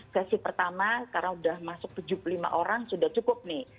sesi pertama karena sudah masuk tujuh puluh lima orang sudah cukup nih